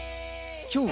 今日は。